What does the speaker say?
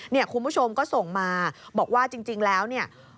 คุณผู้ชมก็ส่งมาบอกว่าจริงแล้วเนี่ย